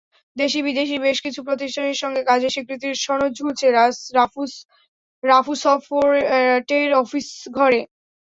দেশি-বিদেশি বেশ কিছু প্রতিষ্ঠানের সঙ্গে কাজের স্বীকৃতির সনদ ঝুলছে রাফুসফটের অফিসঘরে।